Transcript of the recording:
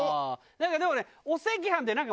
なんかでもねお赤飯ってああ